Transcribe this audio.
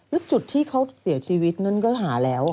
แล้วจุดที่เขาเสียชีวิตนั้นก็หาแล้ว